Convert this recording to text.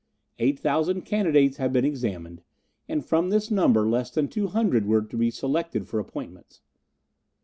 Eight thousand candidates had been examined, and from this number less than two hundred were to be selected for appointments.